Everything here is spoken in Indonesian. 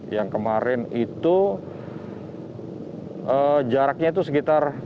yang kemarin itu jaraknya itu sekitar